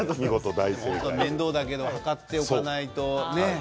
面倒だけど測っておかないとね。